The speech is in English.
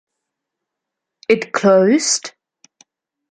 It’ closed?